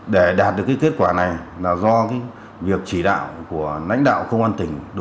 để đạt được kết quả này là do việc chỉ đạo của lãnh đạo công an tỉnh